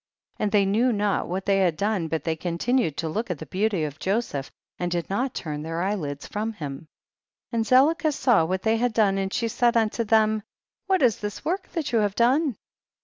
30. And they knew not what they had done but they continued to look at the beauty of Joseph, and did not turn their eyelids from him. 31. And Zelicah saw what they had done, and she said unto them, what is this work that you have done?